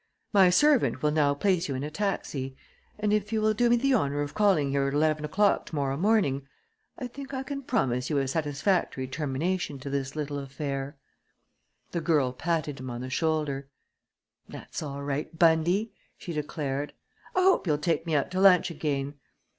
My servant will now place you in a taxi; and if you will do me the honor of calling here at eleven o'clock tomorrow morning I think I can promise you a satisfactory termination to this little affair." The girl patted him on the shoulder. "That's all right, Bundy!" she declared. "I hope you'll take me out to lunch again!